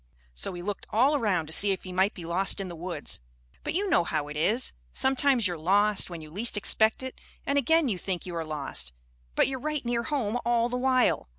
So he looked all around to see if he might be lost in the woods. But you know how it is, sometimes you're lost when you least expect it, and again you think you are lost, but you're right near home all the while.